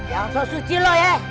jangan sok suci lo ya